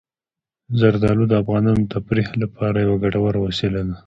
زردالو د افغانانو د تفریح لپاره یوه ګټوره وسیله ده.